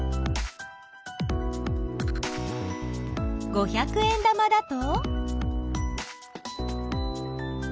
五百円玉だと？